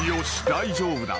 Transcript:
大丈夫だ。